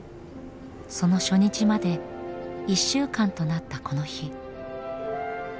その初日まで１週間となったこの日。